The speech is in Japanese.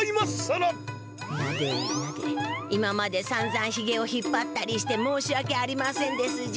なでなで今までさんざんひげを引っぱったりしてもうしわけありませんですじゃ。